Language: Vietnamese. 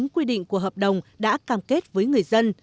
quy định của hợp đồng đã cam kết với người dân